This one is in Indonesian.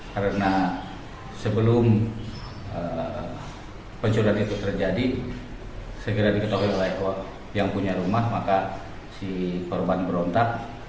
karena sebelum pencurian itu terjadi segera diketahui oleh korban yang punya rumah maka si korban berontak